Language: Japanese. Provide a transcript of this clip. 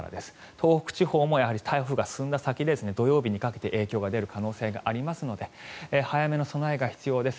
東北地方もやはり台風が進んだ先で土曜日にかけて影響が出る恐れがありますので早めの備えが必要です。